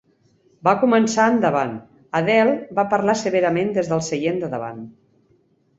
Va començar endavant, Adele va parlar severament des del seient de davant.